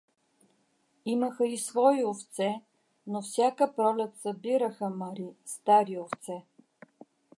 Имаха и свои овце, но всяка пролет събираха мари (стари овце).